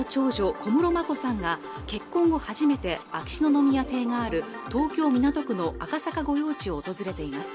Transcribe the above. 小室眞子さんが結婚後初めて秋篠宮邸がある東京港区の赤坂御用地を訪れています